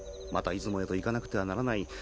また出雲へと行かなくてはならない。